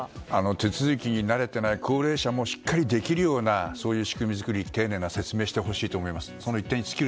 手続きに慣れていない高齢者もしっかりできるような仕組み作り、丁寧な説明をしてほしいと思います。